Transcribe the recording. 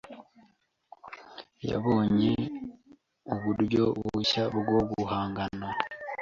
yabonye uburyo bushya bwo guhangana